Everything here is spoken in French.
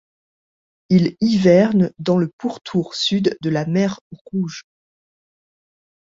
Il hiverne dans le pourtour sud de la mer Rouge.